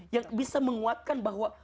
yang bisa menguatkan bahwa